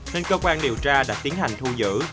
nên cơ quan điều tra đã tiến hành thu giữ